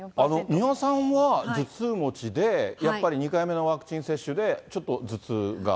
三輪さんは頭痛持ちで、やっぱり２回目のワクチン接種で、ちょっと頭痛が。